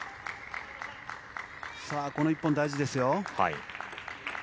この１本、大事ですよ。